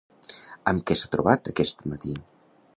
Amb què s'ha trobat aquest matí?